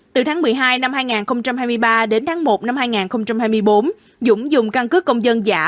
từ tháng một mươi hai năm hai nghìn hai mươi ba đến tháng một năm hai nghìn hai mươi bốn dũng dùng căn cứ công dân giả